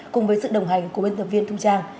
cùng với sự đồng hành của biên tập viên thu trang